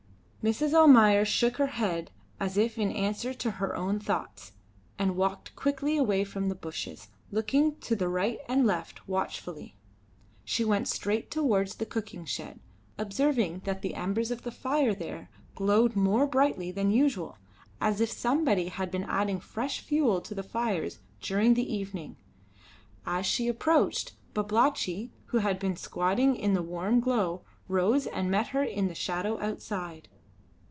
Mrs. Almayer shook her head as if in answer to her own thoughts, and walked quickly away from the bushes, looking to the right and left watchfully. She went straight towards the cooking shed, observing that the embers of the fire there glowed more brightly than usual, as if somebody had been adding fresh fuel to the fires during the evening. As she approached, Babalatchi, who had been squatting in the warm glow, rose and met her in the shadow outside.